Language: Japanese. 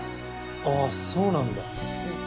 あっそうなんだ。